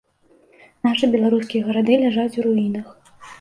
Нашы беларускія гарады ляжаць у руінах.